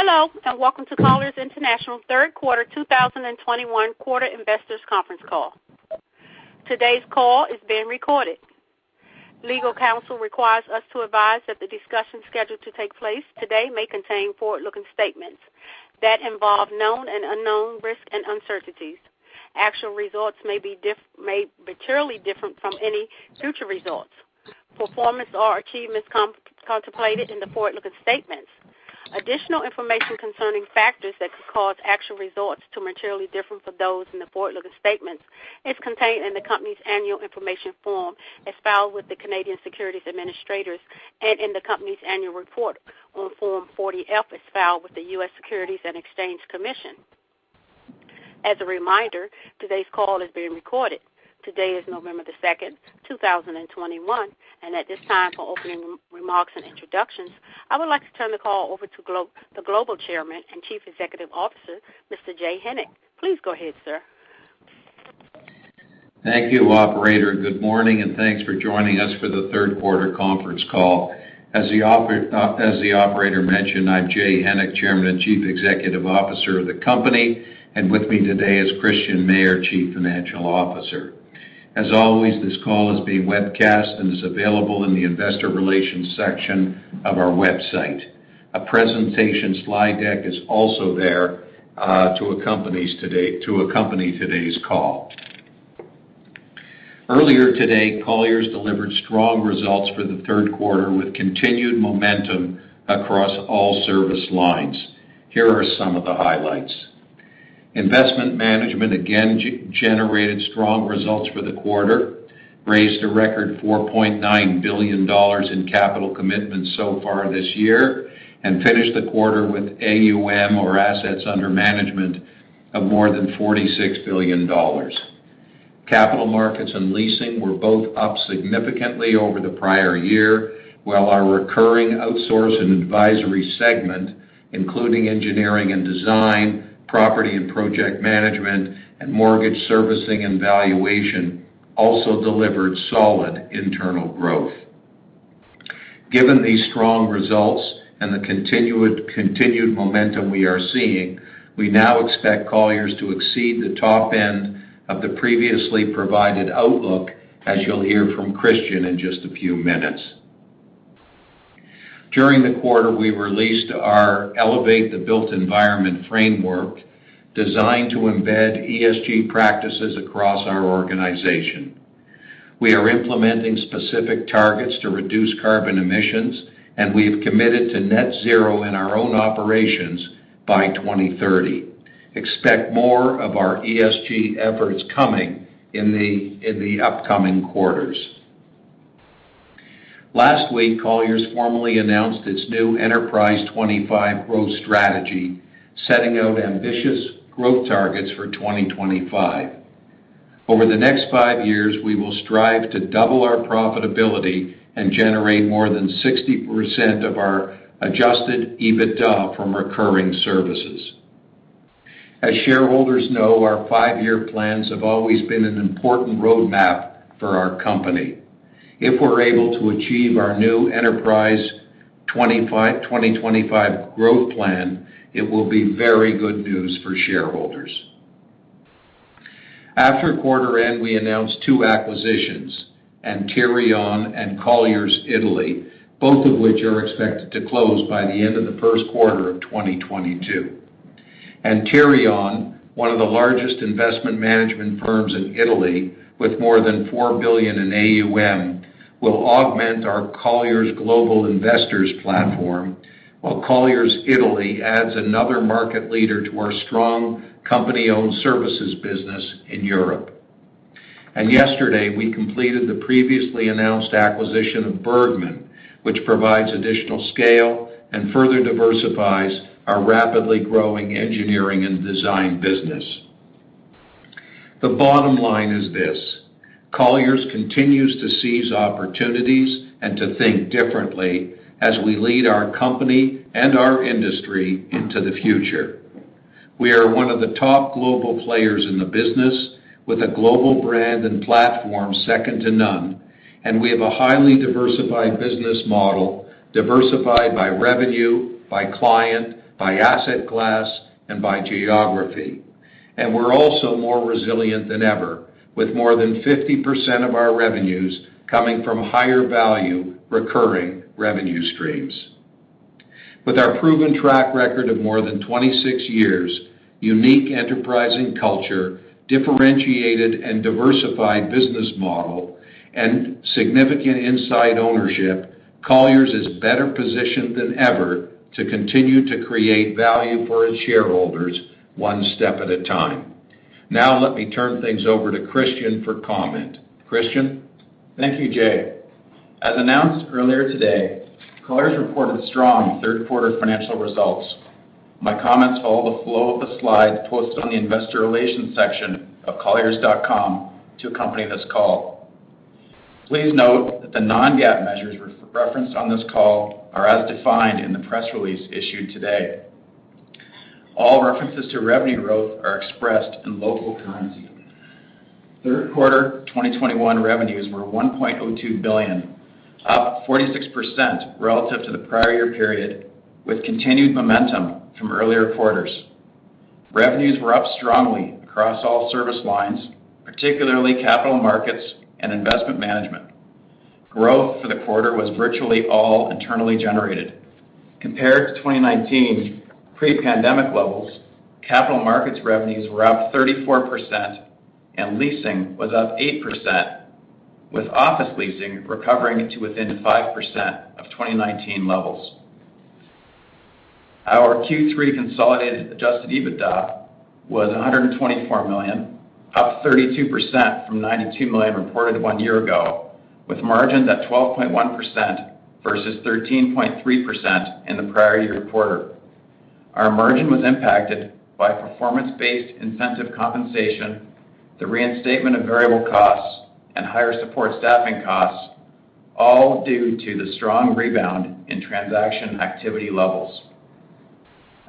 Hello, and welcome to Colliers International third quarter 2021 investors conference call. Today's call is being recorded. Legal counsel requires us to advise that the discussion scheduled to take place today may contain forward-looking statements that involve known and unknown risks and uncertainties. Actual results may be materially different from any future results, performance or achievements contemplated in the forward-looking statements. Additional information concerning factors that could cause actual results to materially differ from those in the forward-looking statements is contained in the company's annual information form as filed with the Canadian Securities Administrators and in the company's annual report on Form 40-F as filed with the U.S. Securities and Exchange Commission. As a reminder, today's call is being recorded. Today is November the 2nd, 2021, and at this time, for opening re-remarks and introductions, I would like to turn the call over to the Global Chairman and Chief Executive Officer, Mr. Jay Hennick. Please go ahead, sir. Thank you, operator. Good morning, and thanks for joining us for the third quarter conference call. As the operator mentioned, I'm Jay Hennick, Chairman and Chief Executive Officer of the company, and with me today is Christian Mayer, Chief Financial Officer. As always, this call is being webcast and is available in the investor relations section of our website. A presentation slide deck is also there to accompany today's call. Earlier today, Colliers delivered strong results for the third quarter with continued momentum across all service lines. Here are some of the highlights. Investment management again generated strong results for the quarter, raised a record $4.9 billion in capital commitments so far this year, and finished the quarter with AUM or assets under management of more than $46 billion. Capital markets and leasing were both up significantly over the prior year, while our recurring outsource and advisory segment, including engineering and design, property and project management, and mortgage servicing and valuation, also delivered solid internal growth. Given these strong results and the continued momentum we are seeing, we now expect Colliers to exceed the top end of the previously provided outlook, as you'll hear from Christian in just a few minutes. During the quarter, we released our Elevate the Built Environment framework designed to embed ESG practices across our organization. We are implementing specific targets to reduce carbon emissions, and we have committed to net zero in our own operations by 2030. Expect more of our ESG efforts coming in the upcoming quarters. Last week, Colliers formally announced its new Enterprise 2025 growth strategy, setting out ambitious growth targets for 2025. Over the next five years, we will strive to double our profitability and generate more than 60% of our Adjusted EBITDA from recurring services. As shareholders know, our five-year plans have always been an important roadmap for our company. If we're able to achieve our new Enterprise 2025 growth plan, it will be very good news for shareholders. After quarter end, we announced two acquisitions, Antirion and Colliers Italy, both of which are expected to close by the end of the first quarter of 2022. Antirion, one of the largest investment management firms in Italy with more than $4 billion in AUM, will augment our Colliers Global Investors platform, while Colliers Italy adds another market leader to our strong company-owned services business in Europe. Yesterday, we completed the previously announced acquisition of Bergmann, which provides additional scale and further diversifies our rapidly growing engineering and design business. The bottom line is this. Colliers continues to seize opportunities and to think differently as we lead our company and our industry into the future. We are one of the top global players in the business with a global brand and platform second to none, and we have a highly diversified business model, diversified by revenue, by client, by asset class, and by geography. We're also more resilient than ever, with more than 50% of our revenues coming from higher-value recurring revenue streams. With our proven track record of more than 26 years, unique enterprising culture, differentiated and diversified business model, and significant inside ownership, Colliers is better positioned than ever to continue to create value for its shareholders one step at a time. Now, let me turn things over to Christian for comment. Christian? Thank you, Jay. As announced earlier today, Colliers reported strong third quarter financial results. My comments follow the flow of the slides posted on the investor relations section of colliers.com to accompany this call. Please note that the non-GAAP measures referenced on this call are as defined in the press release issued today. All references to revenue growth are expressed in local currency. Third quarter 2021 revenues were $1.02 billion, up 46% relative to the prior year period, with continued momentum from earlier quarters. Revenues were up strongly across all service lines, particularly capital markets and investment management. Growth for the quarter was virtually all internally generated. Compared to 2019 pre-pandemic levels, capital markets revenues were up 34% and leasing was up 8%, with office leasing recovering to within 5% of 2019 levels. Our Q3 consolidated Adjusted EBITDA was $124 million, up 32% from $92 million reported one year ago, with margins at 12.1% versus 13.3% in the prior-year quarter. Our margin was impacted by performance-based incentive compensation, the reinstatement of variable costs and higher support staffing costs, all due to the strong rebound in transaction activity levels.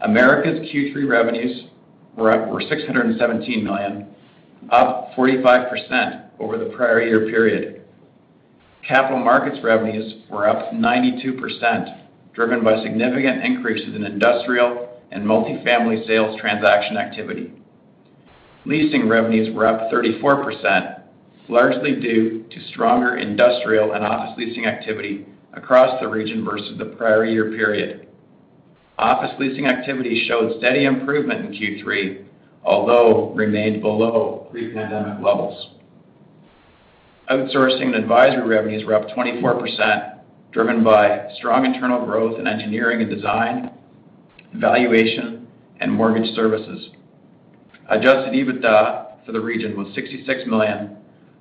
Americas Q3 revenues were $617 million, up 45% over the prior-year period. Capital Markets revenues were up 92%, driven by significant increases in industrial and multi-family sales transaction activity. Leasing revenues were up 34%, largely due to stronger industrial and office leasing activity across the region versus the prior-year period. Office leasing activity showed steady improvement in Q3, although remained below pre-pandemic levels. Outsourcing and advisory revenues were up 24%, driven by strong internal growth in engineering and design, valuation and mortgage services. Adjusted EBITDA for the region was $66 million,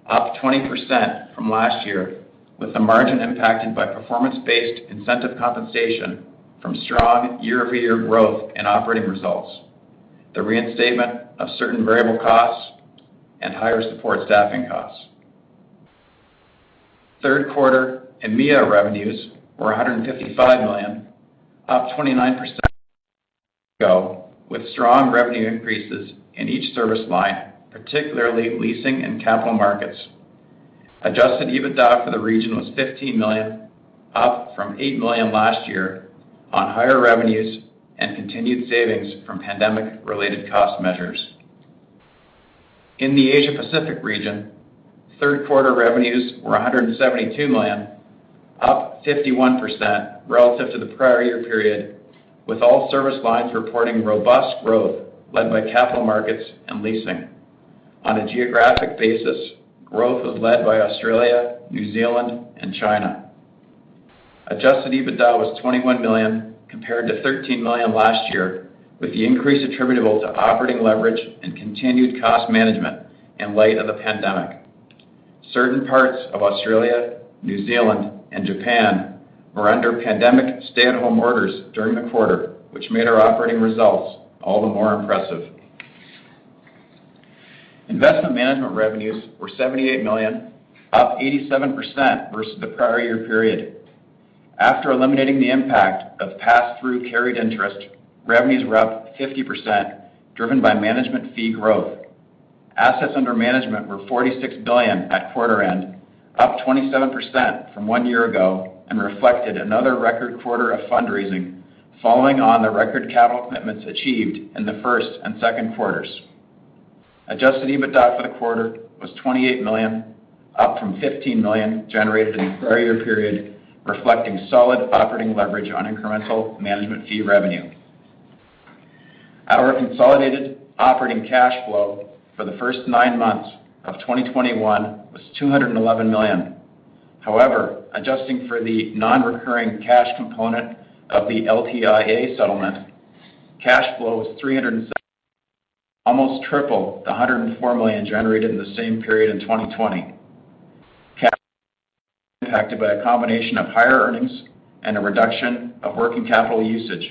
up 20% from last year, with the margin impacted by performance-based incentive compensation from strong year-over-year growth in operating results, the reinstatement of certain variable costs and higher support staffing costs. Third quarter EMEA revenues were $155 million, up 29% with strong revenue increases in each service line, particularly leasing and capital markets. Adjusted EBITDA for the region was $15 million, up from $8 million last year on higher revenues and continued savings from pandemic-related cost measures. In the Asia Pacific region, third quarter revenues were $172 million, up 51% relative to the prior year period, with all service lines reporting robust growth led by capital markets and leasing. On a geographic basis, growth was led by Australia, New Zealand and China. Adjusted EBITDA was $21 million compared to $13 million last year, with the increase attributable to operating leverage and continued cost management in light of the pandemic. Certain parts of Australia, New Zealand and Japan were under pandemic stay-at-home orders during the quarter, which made our operating results all the more impressive. Investment management revenues were $78 million, up 87% versus the prior year period. After eliminating the impact of pass-through carried interest, revenues were up 50% driven by management fee growth. Assets under management were $46 billion at quarter end, up 27% from one year ago, and reflected another record quarter of fundraising following on the record capital commitments achieved in the first and second quarters. Adjusted EBITDA for the quarter was $28 million, up from $15 million generated in the prior year period, reflecting solid operating leverage on incremental management fee revenue. Our consolidated operating cash flow for the first nine months of 2021 was $211 million. However, adjusting for the non-recurring cash component of the LTIA settlement, cash flow was $307 million, almost triple the 104 million generated in the same period in 2020. Cash flow impacted by a combination of higher earnings and a reduction of working capital usage,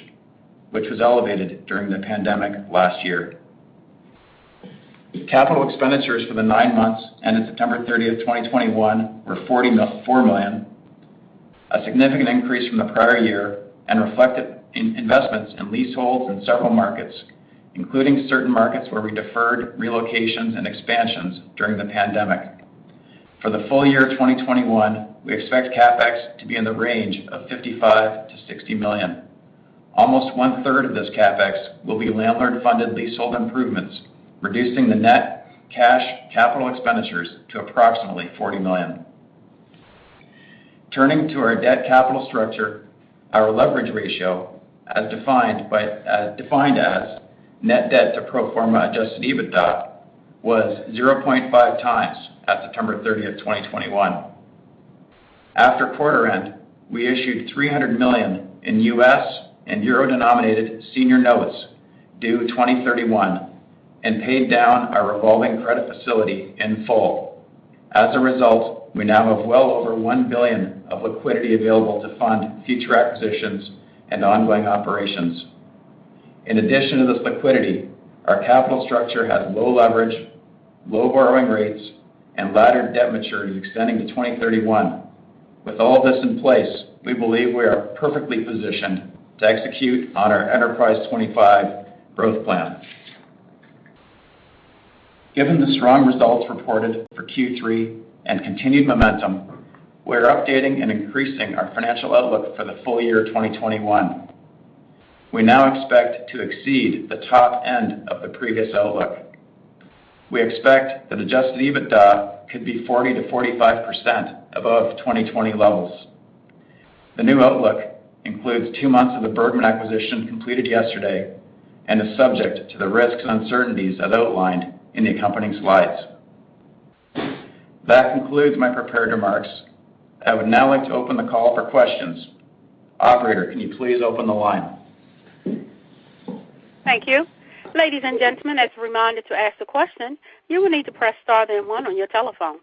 which was elevated during the pandemic last year. Capital expenditures for the nine months ended September 30th, 2021 were $44 million, a significant increase from the prior year and reflected in investments in leaseholds in several markets, including certain markets where we deferred relocations and expansions during the pandemic. For the full year 2021, we expect CapEx to be in the range of $55 million-$60 million. Almost 1/3 of this CapEx will be landlord funded leasehold improvements, reducing the net cash capital expenditures to approximately $40 million. Turning to our debt capital structure, our leverage ratio, as defined as net debt to pro forma Adjusted EBITDA was 0.5x at September 30th, 2021. After quarter end, we issued 300 million in U.S. and euro-denominated senior notes due 2031 and paid down our revolving credit facility in full. As a result, we now have well over $1 billion of liquidity available to fund future acquisitions and ongoing operations. In addition to this liquidity, our capital structure has low leverage, low borrowing rates and laddered debt maturities extending to 2031. With all this in place, we believe we are perfectly positioned to execute on our Enterprise 2025 growth plan. Given the strong results reported for Q3 and continued momentum, we're updating and increasing our financial outlook for the full year 2021. We now expect to exceed the top end of the previous outlook. We expect that Adjusted EBITDA could be 40%-45% above 2020 levels. The new outlook includes two months of the Bergmann acquisition completed yesterday and is subject to the risks and uncertainties as outlined in the accompanying slides. That concludes my prepared remarks. I would now like to open the call for questions. Operator, can you please open the line? Thank you. Ladies and gentlemen, as a reminder, to ask a question, you will need to press star then one on your telephone.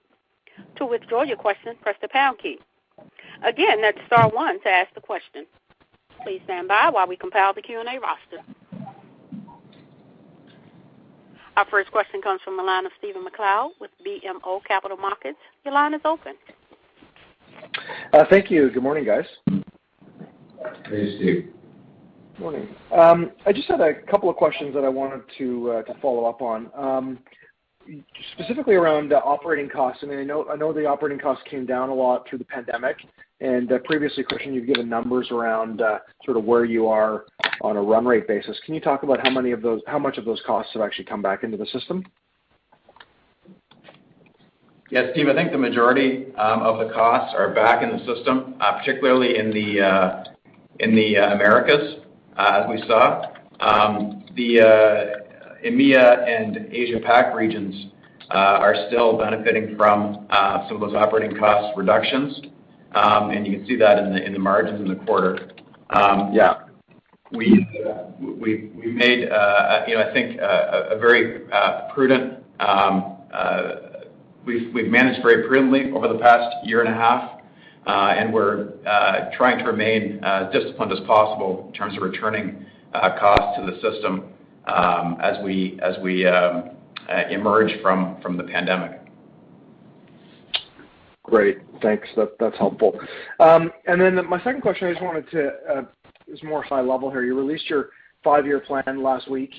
To withdraw your question, press the pound key. Again, that's star one to ask the question. Please stand by while we compile the Q&A roster. Our first question comes from the line of Stephen MacLeod with BMO Capital Markets. Your line is open. Thank you. Good morning, guys. Thanks, Steve. Morning. I just had a couple of questions that I wanted to follow up on, specifically around the operating costs. I mean, I know the operating costs came down a lot through the pandemic, and previously, Christian, you've given numbers around sort of where you are on a run rate basis. Can you talk about how much of those costs have actually come back into the system? Yes, Steve, I think the majority of the costs are back in the system, particularly in the Americas, as we saw. The EMEA and Asia PAC regions are still benefiting from some of those operating cost reductions. You can see that in the margins in the quarter. Yeah, you know, I think we've managed very prudently over the past year and a half, and we're trying to remain as disciplined as possible in terms of returning costs to the system as we emerge from the pandemic. Great. Thanks. That's helpful. My second question is more high level here. You released your five-year plan last week,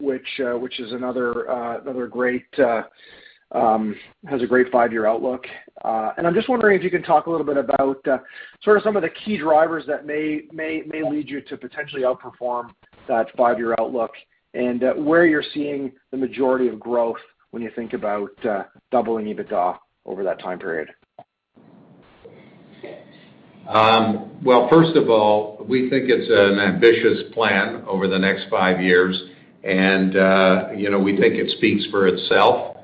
which is another great five-year outlook. I'm just wondering if you can talk a little bit about sort of some of the key drivers that may lead you to potentially outperform that five-year outlook and where you're seeing the majority of growth when you think about doubling EBITDA over that time period. Well, first of all, we think it's an ambitious plan over the next five years, and you know, we think it speaks for itself.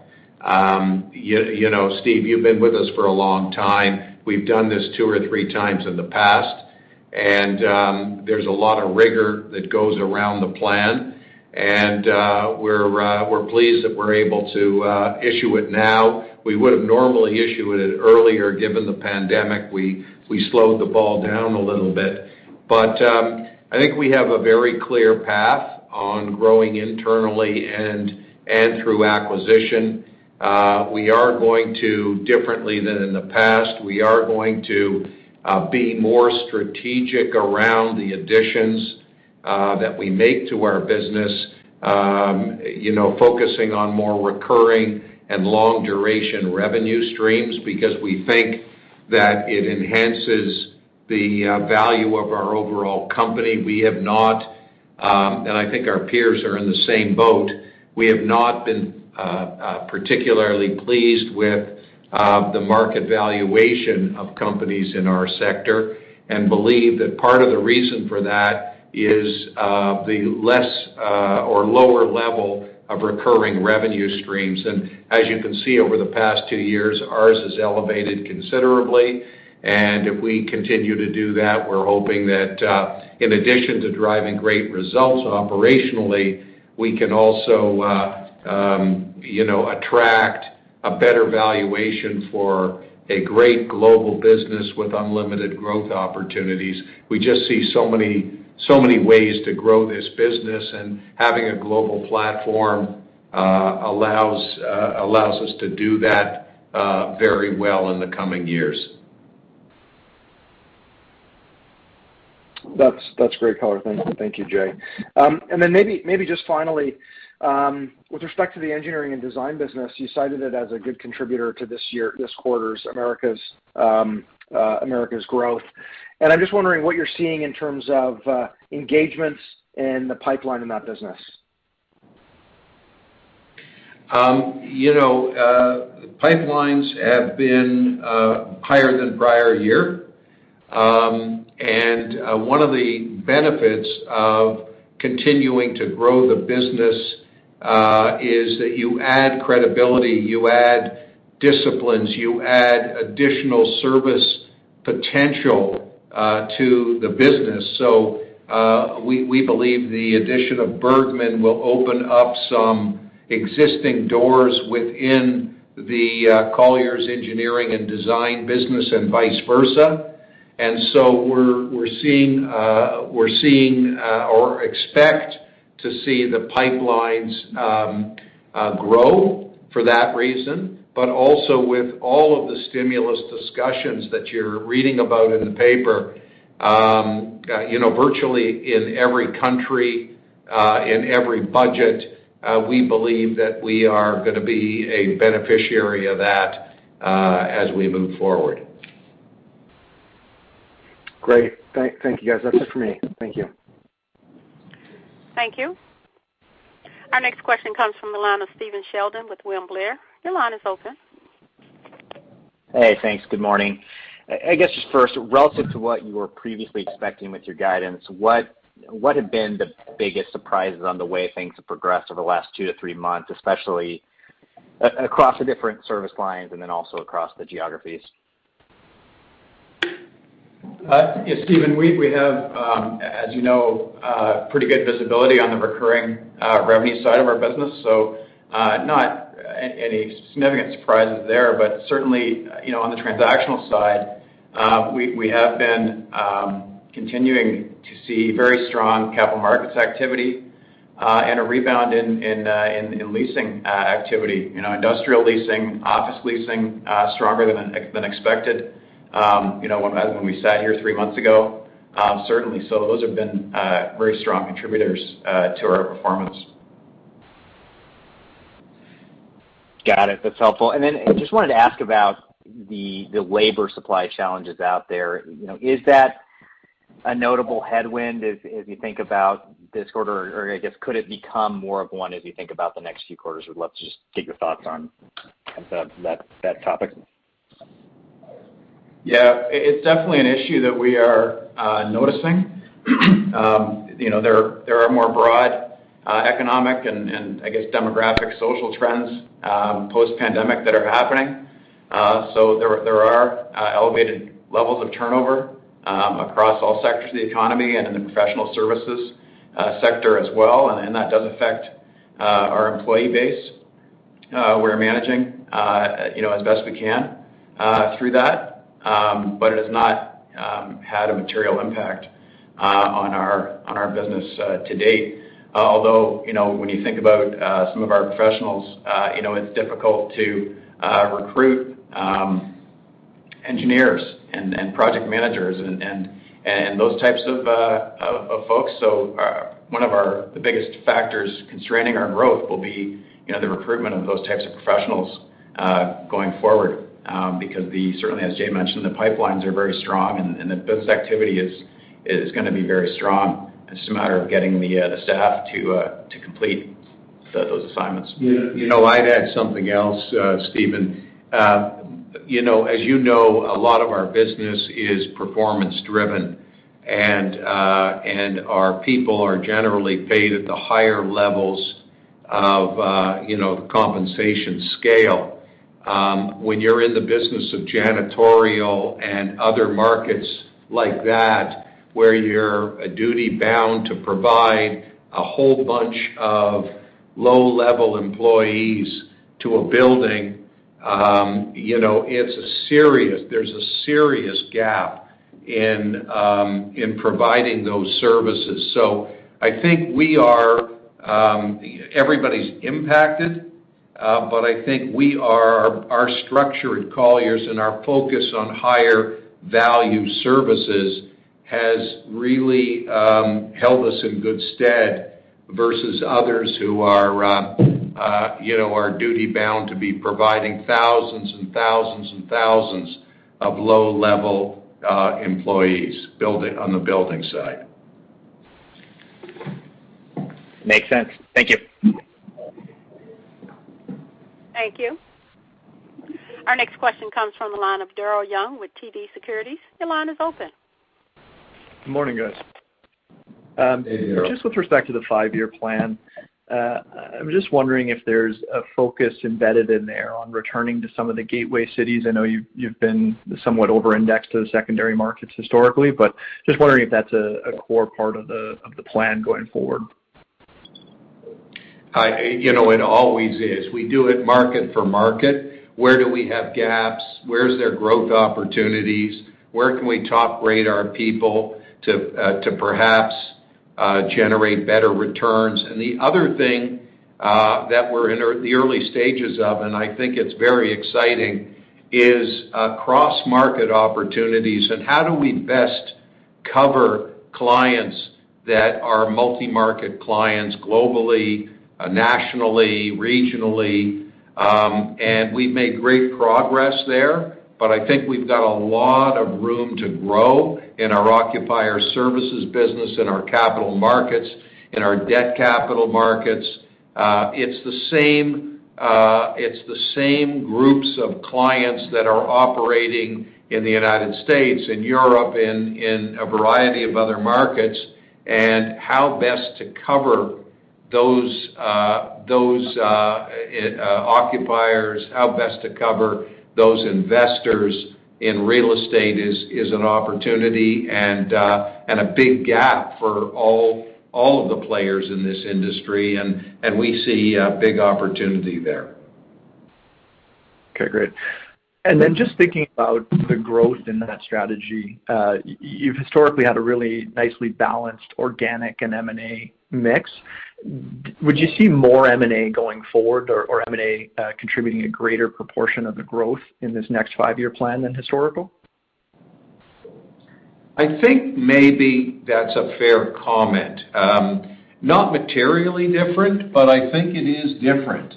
You know, Steve, you've been with us for a long time. We've done this two or three times in the past, and there's a lot of rigor that goes around the plan. We're pleased that we're able to issue it now. We would have normally issued it earlier. Given the pandemic, we slowed the ball down a little bit. I think we have a very clear path on growing internally and through acquisition. We are going to be more strategic around the additions that we make to our business, you know, focusing on more recurring and long duration revenue streams because we think that it enhances the value of our overall company. I think our peers are in the same boat. We have not been particularly pleased with the market valuation of companies in our sector and believe that part of the reason for that is the less or lower level of recurring revenue streams. As you can see, over the past two years, ours has elevated considerably. If we continue to do that, we're hoping that, in addition to driving great results operationally, we can also, you know, attract a better valuation for a great global business with unlimited growth opportunities. We just see so many ways to grow this business, and having a global platform allows us to do that very well in the coming years. That's great color. Thank you, Jay. Maybe just finally, with respect to the engineering and design business, you cited it as a good contributor to this quarter's Americas growth. I'm just wondering what you're seeing in terms of engagements in the pipeline in that business. You know, pipelines have been higher than prior year. One of the benefits of continuing to grow the business is that you add credibility, you add disciplines, you add additional service potential to the business. We believe the addition of Bergmann will open up some existing doors within the Colliers Engineering & Design business and vice versa. We're seeing or expect to see the pipelines grow for that reason, but also with all of the stimulus discussions that you're reading about in the paper, you know, virtually in every country, in every budget, we believe that we are gonna be a beneficiary of that, as we move forward. Great. Thank you, guys. That's it for me. Thank you. Thank you. Our next question comes from the line of Stephen Sheldon with William Blair. Your line is open. Hey, thanks. Good morning. I guess just first, relative to what you were previously expecting with your guidance, what have been the biggest surprises on the way things have progressed over the last two to three months, especially across the different service lines and then also across the geographies? Yeah, Stephen, we have, as you know, pretty good visibility on the recurring revenue side of our business. Not any significant surprises there. Certainly, you know, on the transactional side, we have been continuing to see very strong capital markets activity, and a rebound in leasing activity. You know, industrial leasing, office leasing, stronger than expected, you know, when we sat here three months ago, certainly. Those have been very strong contributors to our performance. Got it. That's helpful. I just wanted to ask about the labor supply challenges out there. You know, is that a notable headwind as you think about this quarter? Or, I guess, could it become more of one as you think about the next few quarters? Would love to just get your thoughts on kind of that topic. Yeah. It's definitely an issue that we are noticing. You know, there are more broad economic and I guess demographic social trends post-pandemic that are happening. There are elevated levels of turnover across all sectors of the economy and in the professional services sector as well, and that does affect our employee base. We're managing you know as best we can through that. It has not had a material impact on our business to date. Although you know when you think about some of our professionals you know it's difficult to recruit engineers and project managers and those types of folks. One of our biggest factors constraining our growth will be, you know, the recruitment of those types of professionals going forward, because certainly, as Jay mentioned, the pipelines are very strong, and the business activity is gonna be very strong. It's just a matter of getting the staff to complete those assignments. You know, I'd add something else, Steven. You know, as you know, a lot of our business is performance driven, and our people are generally paid at the higher levels of, you know, the compensation scale. When you're in the business of janitorial and other markets like that, where you're duty bound to provide a whole bunch of low-level employees to a building, you know, there's a serious gap in providing those services. I think everybody's impacted, but I think our structure at Colliers and our focus on higher value services has really held us in good stead versus others who are, you know, duty bound to be providing thousands and thousands and thousands of low-level employees on the building side. Makes sense. Thank you. Thank you. Our next question comes from the line of Daryl Young with TD Securities. Your line is open. Good morning, guys. Hey, Daryl. Just with respect to the five-year plan, I'm just wondering if there's a focus embedded in there on returning to some of the gateway cities. I know you've been somewhat over-indexed to the secondary markets historically, but just wondering if that's a core part of the plan going forward. You know, it always is. We do it market for market. Where do we have gaps? Where is there growth opportunities? Where can we top grade our people to perhaps generate better returns? The other thing that we're in the early stages of, and I think it's very exciting, is cross-market opportunities and how do we best cover clients that are multi-market clients globally, nationally, regionally. We've made great progress there, but I think we've got a lot of room to grow in our occupier services business, in our capital markets, in our debt capital markets. It's the same groups of clients that are operating in the United States and Europe and in a variety of other markets, and how best to cover those occupiers, how best to cover those investors in real estate is an opportunity and a big gap for all of the players in this industry. We see a big opportunity there. Okay, great. Just thinking about the growth in that strategy, you've historically had a really nicely balanced organic and M&A mix. Would you see more M&A going forward or M&A contributing a greater proportion of the growth in this next five-year plan than historical? I think maybe that's a fair comment. Not materially different, but I think it is different.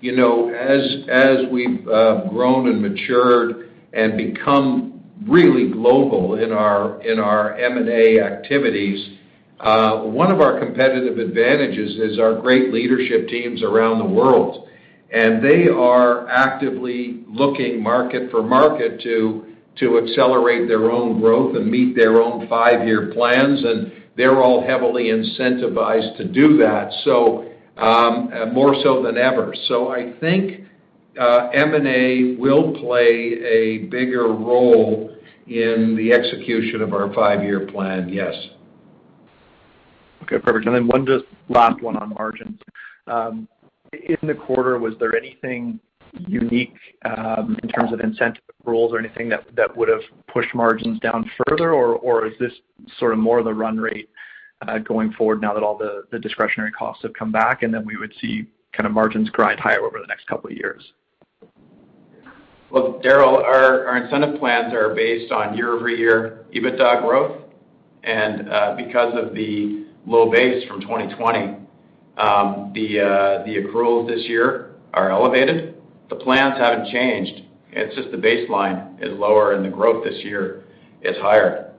You know, as we've grown and matured and become really global in our M&A activities, one of our competitive advantages is our great leadership teams around the world. They are actively looking market for market to accelerate their own growth and meet their own five-year plans, and they're all heavily incentivized to do that, so, more so than ever. I think, M&A will play a bigger role in the execution of our five-year plan, yes. Okay, perfect. One just last one on margins. In the quarter, was there anything unique in terms of incentive rules or anything that would have pushed margins down further? Or is this sort of more the run rate going forward now that all the discretionary costs have come back and then we would see kind of margins grind higher over the next couple of years? Well, Daryl, our incentive plans are based on year-over-year EBITDA growth. Because of the low base from 2020, the accruals this year are elevated. The plans haven't changed. It's just the baseline is lower and the growth this year is higher.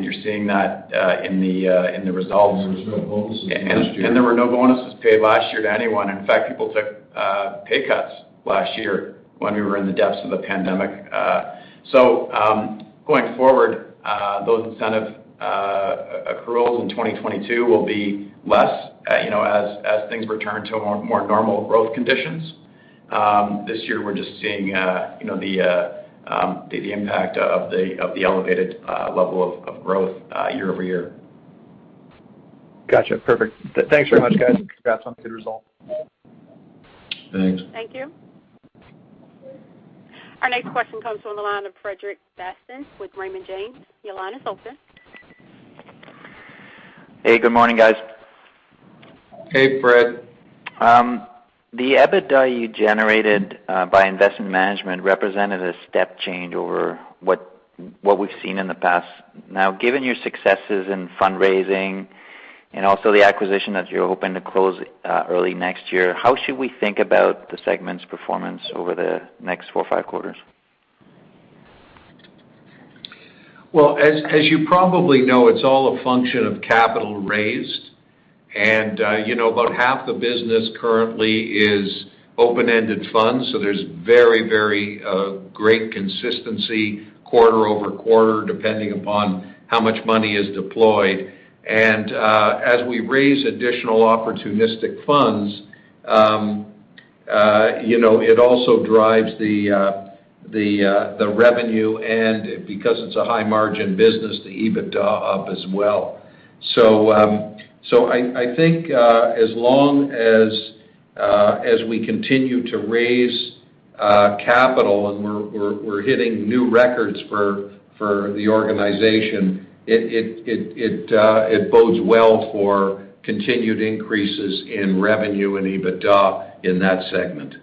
You're seeing that in the results. There was no bonuses last year. There were no bonuses paid last year to anyone. In fact, people took pay cuts last year when we were in the depths of the pandemic. Going forward, those incentive accruals in 2022 will be less, you know, as things return to a more normal growth conditions. This year, we're just seeing you know, the impact of the elevated level of growth year-over-year. Gotcha. Perfect. Thanks very much, guys. Congrats on the good result. Thanks. Thank you. Our next question comes from the line of Frederic Bastien with Raymond James. Your line is open. Hey, good morning, guys. Hey, Fred. The EBITDA you generated by investment management represented a step change over what we've seen in the past. Now, given your successes in fundraising and also the acquisition that you're hoping to close early next year, how should we think about the segment's performance over the next four or five quarters? Well, as you probably know, it's all a function of capital raised. You know, about half the business currently is open-ended funds. There's very great consistency quarter over quarter, depending upon how much money is deployed. As we raise additional opportunistic funds, you know, it also drives the revenue and because it's a high margin business, the EBITDA up as well. I think, as long as we continue to raise capital and we're hitting new records for the organization, it bodes well for continued increases in revenue and EBITDA in that segment.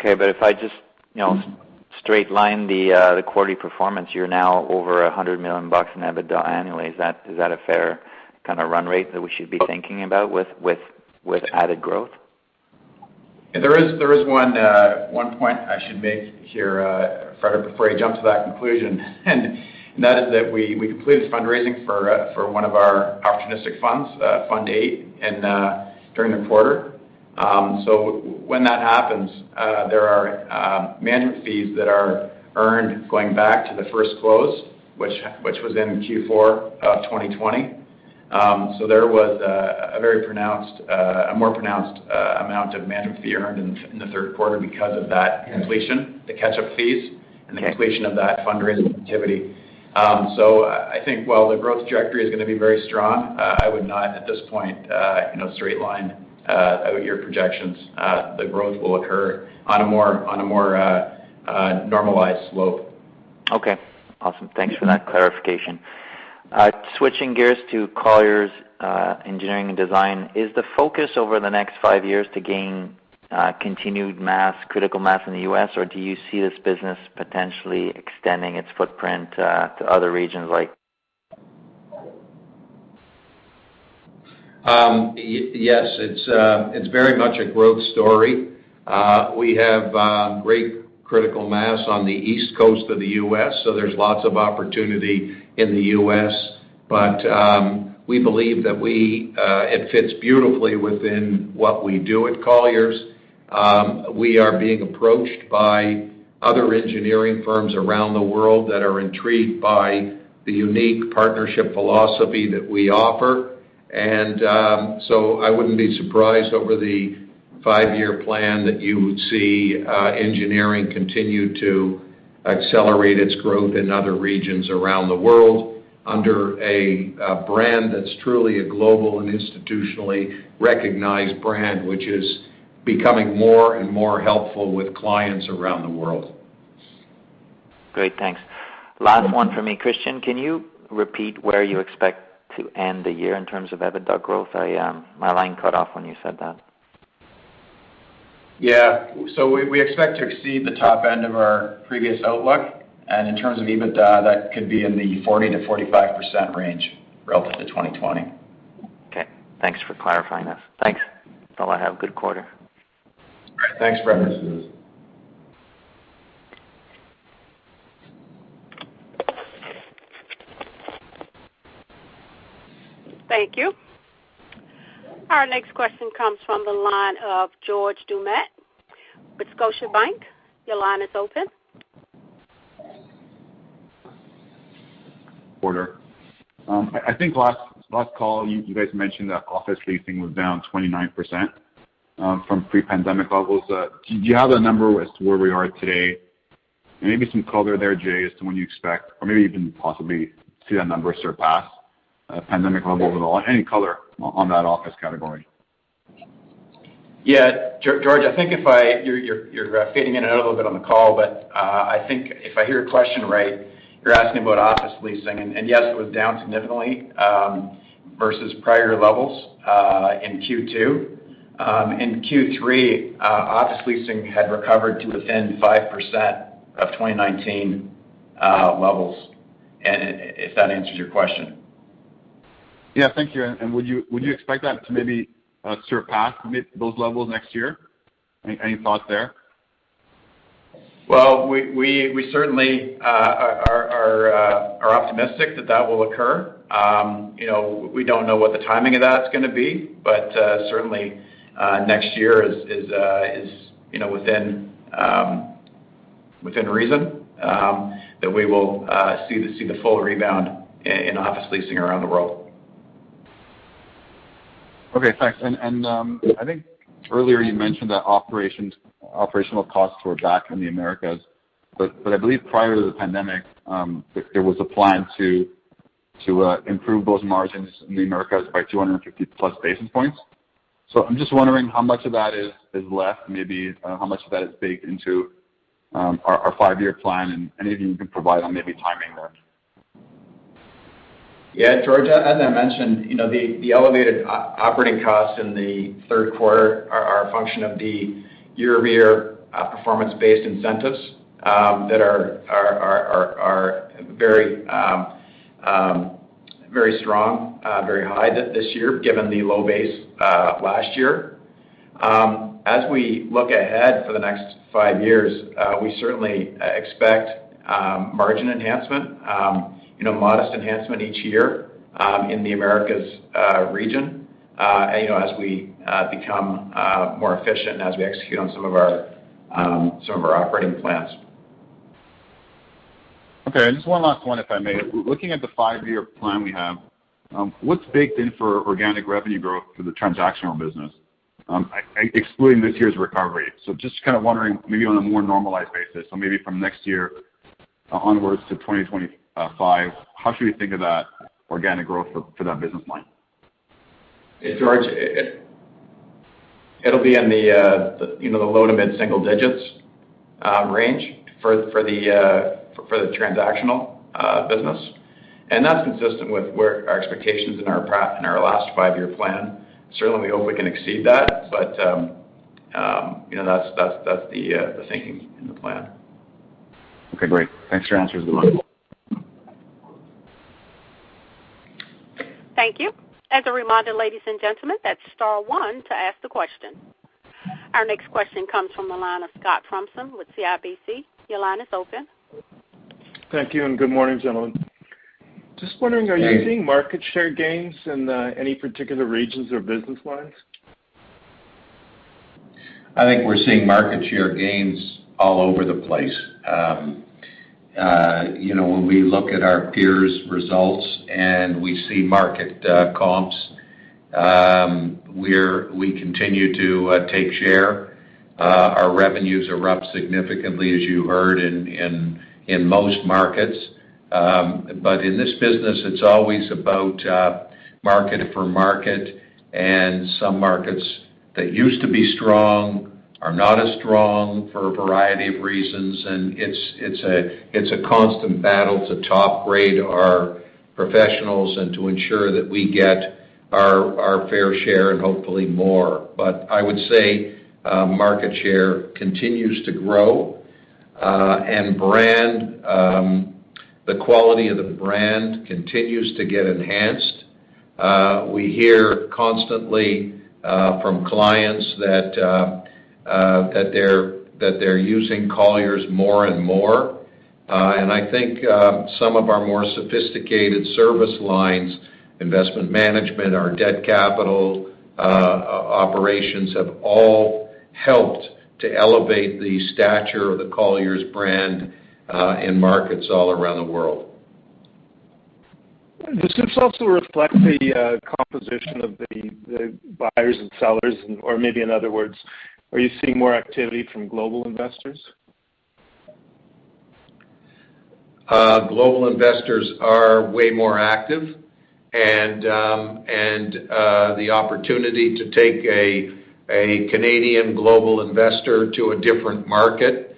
If I just, you know, straight line the quarterly performance, you're now over $100 million in EBITDA annually. Is that a fair kind of run rate that we should be thinking about with added growth? There is one point I should make here, Fred, before I jump to that conclusion. That is that we completed fundraising for one of our opportunistic funds, Fund VIII, and during the quarter. When that happens, there are management fees that are earned going back to the first close, which was in Q4 2020. There was a more pronounced amount of management fee earned in the third quarter because of that completion, the catch-up fees and the completion of that fundraising activity. I think while the growth trajectory is gonna be very strong, I would not at this point, you know, straight line out year projections. The growth will occur on a more normalized slope. Okay. Awesome. Thanks for that clarification. Switching gears to Colliers Engineering & Design, is the focus over the next five years to gain continued mass, critical mass in the U.S., or do you see this business potentially extending its footprint to other regions like? Yes, it's very much a growth story. We have great critical mass on the East Coast of the U.S., so there's lots of opportunity in the U.S. We believe that it fits beautifully within what we do at Colliers. We are being approached by other engineering firms around the world that are intrigued by the unique partnership philosophy that we offer. I wouldn't be surprised over the five-year plan that you would see engineering continue to accelerate its growth in other regions around the world under a brand that's truly a global and institutionally recognized brand, which is becoming more and more helpful with clients around the world. Great, thanks. Last one for me. Christian, can you repeat where you expect to end the year in terms of EBITDA growth? My line cut off when you said that. We expect to exceed the top end of our previous outlook, and in terms of EBITDA, that could be in the 40%-45% range relative to 2020. Okay. Thanks for clarifying that. Thanks. That's all I have. Good quarter. Thanks, Brendan. Thank you. Our next question comes from the line of George Doumet with Scotiabank. Your line is open. I think last call you guys mentioned that office leasing was down 29% from pre-pandemic levels. Do you have the number as to where we are today? Maybe some color there, Jay, as to when you expect, or maybe you can possibly see that number surpass pandemic levels at all? Any color on that office category. Yeah. George, you're fading in and out a little bit on the call, but I think if I hear your question right, you're asking about office leasing. Yes, it was down significantly versus prior levels in Q2. In Q3, office leasing had recovered to within 5% of 2019 levels, and if that answers your question. Yeah. Thank you. Would you expect that to maybe surpass those levels next year? Any thoughts there? Well, we certainly are optimistic that that will occur. You know, we don't know what the timing of that's gonna be, but certainly next year is, you know, within reason that we will see the full rebound in office leasing around the world. Okay, thanks. I think earlier you mentioned that operational costs were back in the Americas. I believe prior to the pandemic, there was a plan to improve those margins in the Americas by 250+ basis points. I'm just wondering how much of that is left, maybe how much of that is baked into our five-year plan and anything you can provide on maybe timing there. Yeah. George, as I mentioned, you know, the elevated operating costs in the third quarter are a function of the year-over-year performance-based incentives that are very strong, very high this year given the low base last year. As we look ahead for the next five years, we certainly expect margin enhancement, you know, modest enhancement each year in the Americas region, you know, as we become more efficient, as we execute on some of our operating plans. Okay. Just one last one, if I may. Looking at the five-year plan we have, what's baked in for organic revenue growth for the transactional business, excluding this year's recovery? So just kind of wondering maybe on a more normalized basis, so maybe from next year onwards to 2025, how should we think of that organic growth for that business line? George, it'll be in the, you know, the low- to mid-single digits range for the transactional business. That's consistent with where our expectations in our last five-year plan. Certainly, we hope we can exceed that, but you know, that's the thinking in the plan. Okay, great. Thanks for your answers as well. Thank you. As a reminder, ladies and gentlemen, that's star one to ask the question. Our next question comes from the line of Scott Thompson with CIBC. Your line is open. Thank you, and good morning, gentlemen. Just wondering, are you seeing market share gains in any particular regions or business lines? I think we're seeing market share gains all over the place. You know, when we look at our peers' results and we see market comps, we continue to take share. Our revenues are up significantly, as you heard, in most markets. In this business, it's always about market for market. Some markets that used to be strong are not as strong for a variety of reasons. It's a constant battle to top grade our professionals and to ensure that we get our fair share and hopefully more. I would say market share continues to grow and the quality of the brand continues to get enhanced. We hear constantly from clients that they're using Colliers more and more. I think some of our more sophisticated service lines, investment management, our debt capital operations have all helped to elevate the stature of the Colliers brand in markets all around the world. Does this also reflect the composition of the buyers and sellers? Or maybe in other words, are you seeing more activity from global investors? Global investors are way more active and the opportunity to take a Canadian global investor to a different market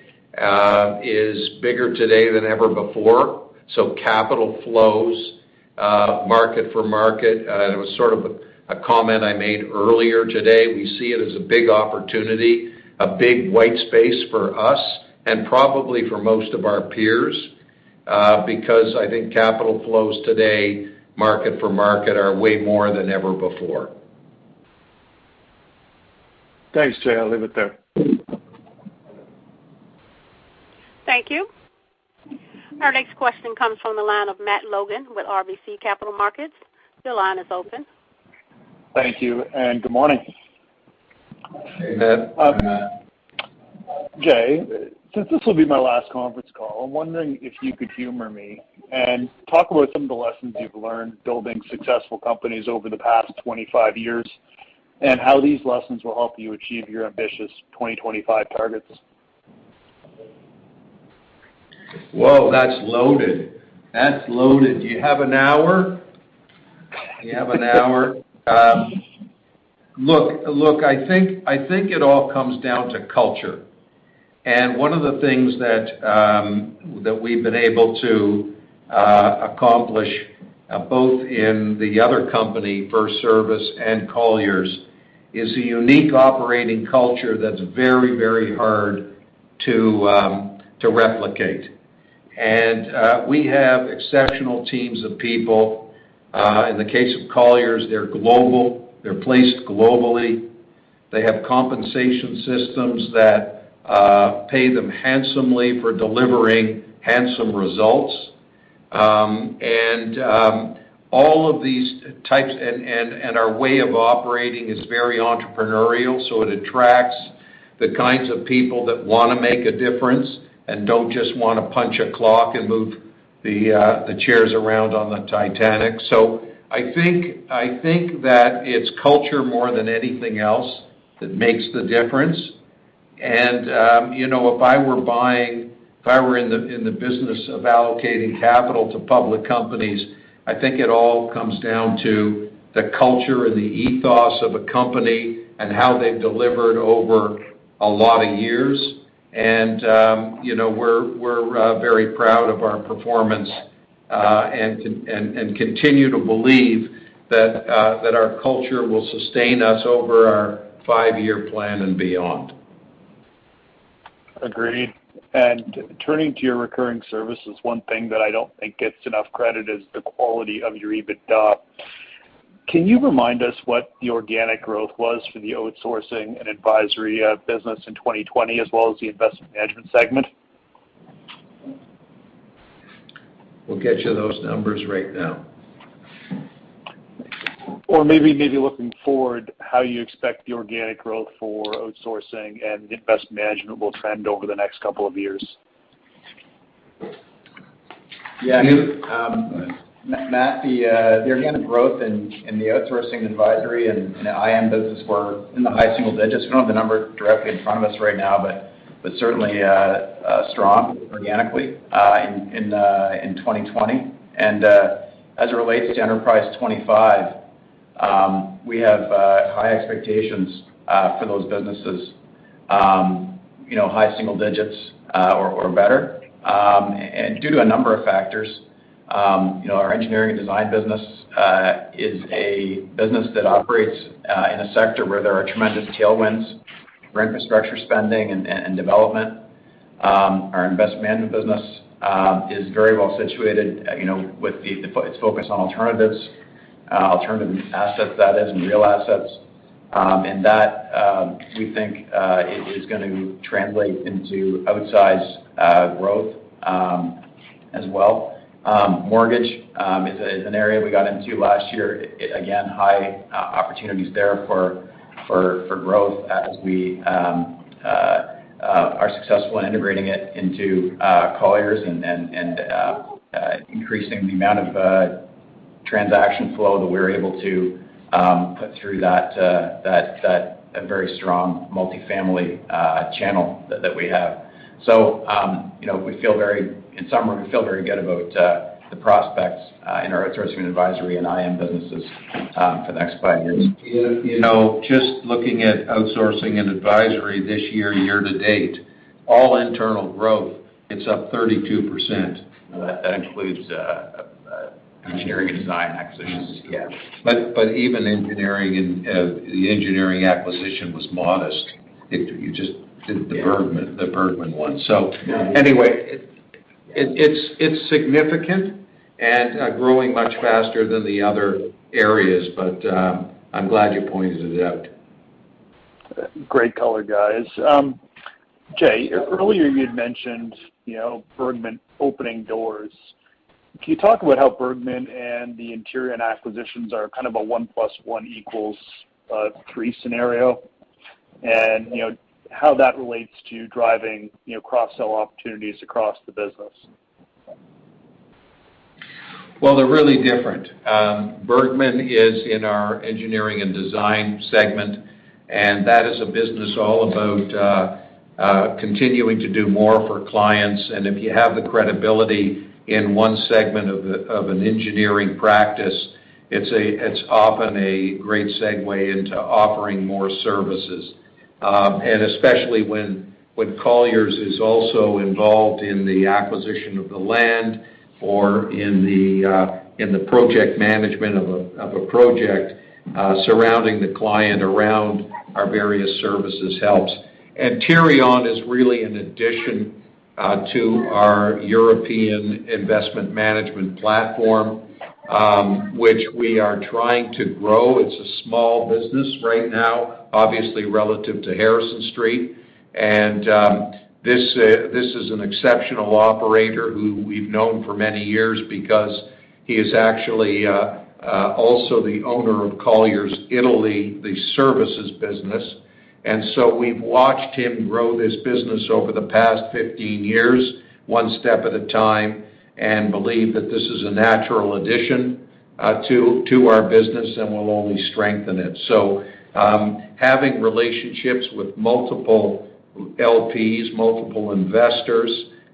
is bigger today than ever before. Capital flows, market for market. It was sort of a comment I made earlier today. We see it as a big opportunity, a big white space for us and probably for most of our peers because I think capital flows today, market for market, are way more than ever before. Thanks, Jay. I'll leave it there. Thank you. Our next question comes from the line of Matt Logan with RBC Capital Markets. Your line is open. Thank you and good morning. Hey, Matt. Jay, since this will be my last conference call, I'm wondering if you could humor me and talk about some of the lessons you've learned building successful companies over the past 25 years, and how these lessons will help you achieve your ambitious 2025 targets. Whoa, that's loaded. Do you have an hour? Look, I think it all comes down to culture. One of the things that we've been able to accomplish both in the other company, FirstService and Colliers, is a unique operating culture that's very, very hard to replicate. We have exceptional teams of people. In the case of Colliers, they're global. They're placed globally. They have compensation systems that pay them handsomely for delivering handsome results. All of these types and our way of operating is very entrepreneurial, so it attracts the kinds of people that wanna make a difference and don't just wanna punch a clock and move the chairs around on the Titanic. I think that it's culture more than anything else that makes the difference. You know, if I were in the business of allocating capital to public companies, I think it all comes down to the culture and the ethos of a company and how they've delivered over a lot of years. You know, we're very proud of our performance and continue to believe that our culture will sustain us over our five-year plan and beyond. Agreed. Turning to your recurring services, one thing that I don't think gets enough credit is the quality of your EBITDA. Can you remind us what the organic growth was for the outsourcing and advisory business in 2020, as well as the investment management segment? We'll get you those numbers right now. Maybe looking forward, how you expect the organic growth for outsourcing and investment management will trend over the next couple of years? Yeah. Matt, the organic growth in the outsourcing advisory and, you know, IM business were in the high single digits. We don't have the number directly in front of us right now, but certainly strong organically in 2020. As it relates to Enterprise 2025, we have high expectations for those businesses. You know, high single digits or better. Due to a number of factors, you know, our engineering and design business is a business that operates in a sector where there are tremendous tailwinds for infrastructure spending and development. Our investment management business is very well situated, you know, with its focus on alternatives, alternative assets that is, and real assets. That we think is gonna translate into outsized growth as well. Mortgage is an area we got into last year. High opportunities there for growth as we are successful in integrating it into Colliers and increasing the amount of transaction flow that we're able to put through that very strong multifamily channel that we have. You know, in summary, we feel very good about the prospects in our outsourcing advisory and IM businesses for the next five years. You know, just looking at outsourcing and advisory this year to date, all internal growth, it's up 32%. That includes engineering and design acquisitions. Even engineering and the engineering acquisition was modest. You just did the Bergmann one. Anyway, it's significant and growing much faster than the other areas. I'm glad you pointed it out. Great color, guys. Jay, earlier you'd mentioned, you know, Bergmann opening doors. Can you talk about how Bergmann and the other acquisitions are kind of a 1+1=3 scenario? You know, how that relates to driving, you know, cross-sell opportunities across the business. Well, they're really different. Bergmann is in our engineering and design segment, and that is a business all about continuing to do more for clients. If you have the credibility in one segment of an engineering practice, it's often a great segue into offering more services. Especially when Colliers is also involved in the acquisition of the land or in the project management of a project, surrounding the client with our various services helps. Antirion is really an addition to our European investment management platform, which we are trying to grow. It's a small business right now, obviously relative to Harrison Street. This is an exceptional operator who we've known for many years because he is actually also the owner of Colliers Italy, the services business. We've watched him grow this business over the past 15 years, one step at a time, and believe that this is a natural addition to our business and will only strengthen it. Having relationships with multiple LPs, multiple investors,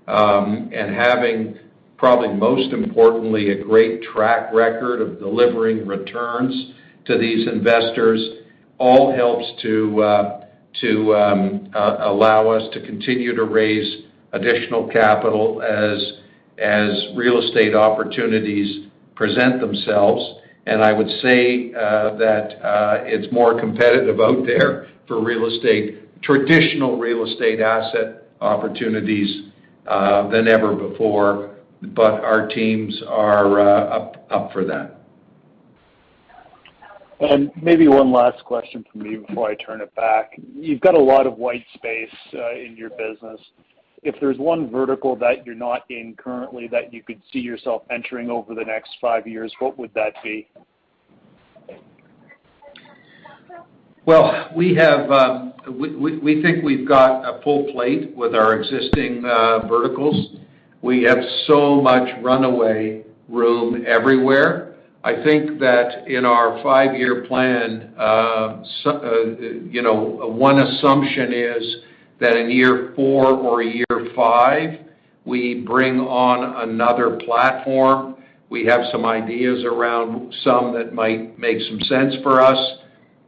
and having, probably most importantly, a great track record of delivering returns to these investors all helps to allow us to continue to raise additional capital as real estate opportunities present themselves. I would say that it's more competitive out there for real estate, traditional real estate asset opportunities than ever before, but our teams are up for that. Maybe one last question from me before I turn it back. You've got a lot of white space in your business. If there's one vertical that you're not in currently that you could see yourself entering over the next five years, what would that be? Well, we think we've got a full plate with our existing verticals. We have so much runway room everywhere. I think that in our five-year plan, you know, one assumption is that in year four or year five, we bring on another platform. We have some ideas around some that might make some sense for us,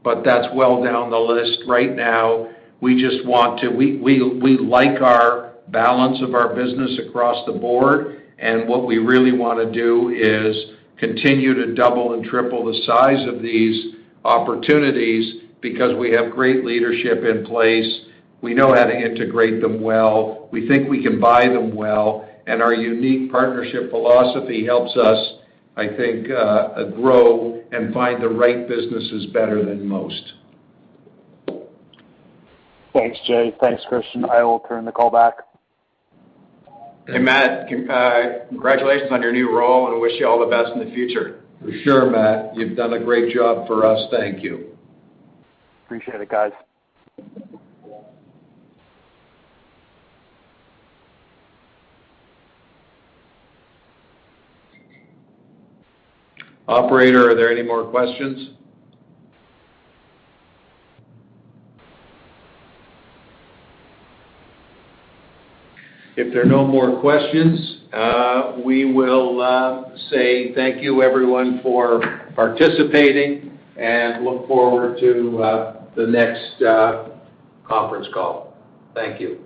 but that's well down the list right now. We just want to. We like our balance of our business across the board, and what we really wanna do is continue to double and triple the size of these opportunities because we have great leadership in place. We know how to integrate them well. We think we can buy them well. Our unique partnership philosophy helps us, I think, grow and find the right businesses better than most. Thanks, Jay. Thanks, Christian. I will turn the call back. Hey, Matt. Congratulations on your new role, and I wish you all the best in the future. For sure, Matt. You've done a great job for us. Thank you. Appreciate it, guys. Operator, are there any more questions? If there are no more questions, we will say thank you, everyone, for participating and look forward to the next conference call. Thank you.